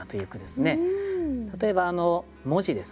例えば文字ですね。